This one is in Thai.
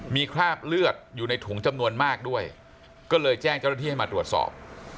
มีคราบเลือดอยู่ในถุงจำนวนมากด้วยก็เลยแจ้งเจ้าหน้าที่ให้มาตรวจสอบ